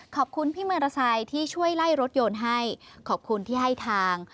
ขอบคุณพี่มรสัยที่ช่วยไล่รถโยนให้ขอบคุณที่ให้ทาง